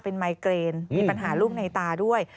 เป็นไมเกรนมีปัญหาลูกในตาด้วย